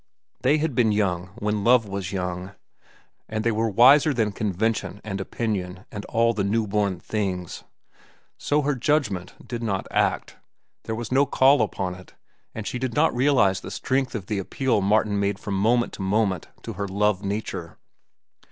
They had been young when love was young, and they were wiser than convention and opinion and all the new born things. So her judgment did not act. There was no call upon it, and she did not realize the strength of the appeal Martin made from moment to moment to her love nature.